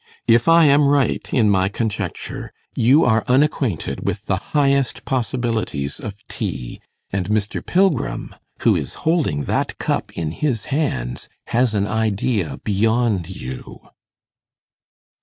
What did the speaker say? If I am right in my conjecture, you are unacquainted with the highest possibilities of tea; and Mr. Pilgrim, who is holding that cup in his hands, has an idea beyond you.